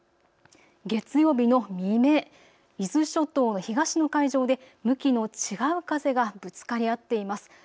月曜日の未明、伊豆諸島の東の海上で向きの違う風がぶつかり合っています。